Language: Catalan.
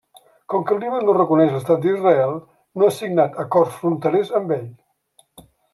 Com que el Líban no reconeix l'Estat d'Israel, no ha signat acords fronterers amb ell.